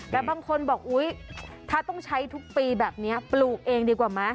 แต่บางคนบอกอุ๊ยถ้าต้องใช้ทุกปีแบบนี้ปลูกเองดีกว่าไหม